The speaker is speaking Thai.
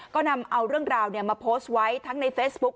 ก็นำเอาเรื่องราวมาโพสต์ไว้ทั้งในเฟซบุ๊ค